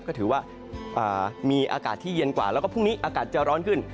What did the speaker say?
ก็ถือว่ามีอากาศที่เย็นกว่าแล้วก็พรุ่งนี้อากาศจะร้อนขึ้น